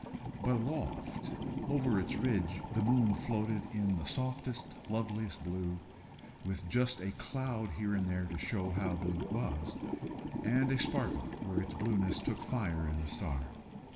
But aloft over its ridge the moon floated in the softest, loveliest blue, with just a cloud here and there to show how blue it was, and a sparkle where its blueness took fire in a star.